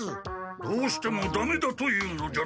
どうしてもダメだと言うのじゃな？